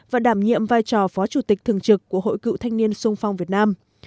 và đảm nhiệm vai trò phó chủ tịch thường trực của hội cựu thanh niên sung phong việt nam